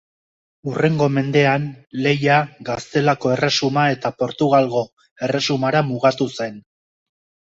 Hurrengo mendean lehia Gaztelako Erresuma eta Portugalgo Erresumara mugatu zen.